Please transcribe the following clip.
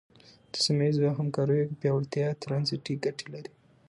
د سیمه ییزو همکاریو پیاوړتیا ترانزیټي ګټې لري.